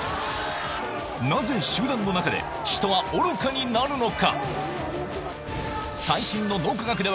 なぜ集団の中で人は愚かになるのか？